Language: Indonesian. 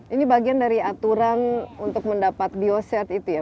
ini bagian dari aturan untuk mendapat bioset itu ya